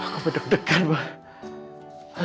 aku deg degan banget